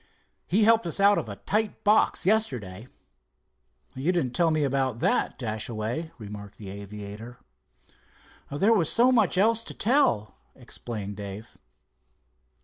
"He helped us out of a tight box yesterday." "You didn't tell me about that, Dashaway," remarked the aviator. "There was so much else to tell," explained Dave.